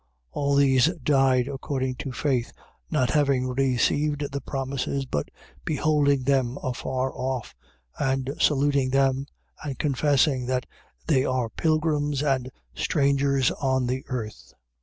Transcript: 11:13. All these died according to faith, not having received the promises but beholding them afar off and saluting them and confessing that they are pilgrims and strangers on the earth.